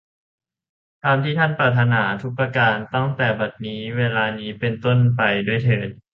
ตามที่ท่านปรารถนาทุกประการตั้งแต่บัดนี้ เวลานี้เป็นต้นไปด้วยเทอญ